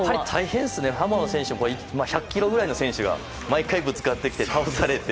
サモアの選手も１００ｋｇぐらいの選手が毎回ぶつかってきて、倒されて。